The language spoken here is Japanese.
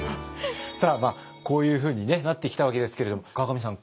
さあこういうふうになってきたわけですけれども河上さん